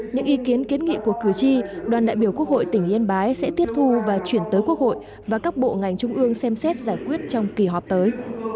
những ý kiến kiến nghị của cử tri đoàn đại biểu quốc hội tỉnh yên bái sẽ tiếp thu và chuyển tới quốc hội và các bộ ngành trung ương xem xét giải quyết trong kỳ họp tới